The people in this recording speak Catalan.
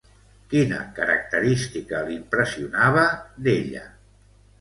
Quina característica li impressionava d'ella?